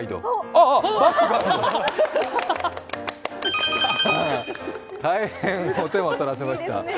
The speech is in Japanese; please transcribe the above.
ああ大変お手間をとらせました。